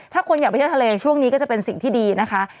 ถ้าคนอยากไปเที่ยวทะเลช่วงนี้ก็จะเป็นสิ่งที่ดีนะคะ